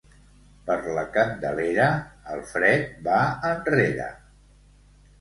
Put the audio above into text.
Per la Candelera el fred va enrere.